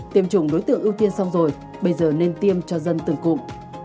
tiêm chủng đối tượng ưu tiên xong rồi bây giờ nên tiêm cho dân từng cụm